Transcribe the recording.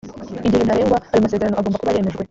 igihe ntarengwa ayo masezerano agomba kuba yemejwe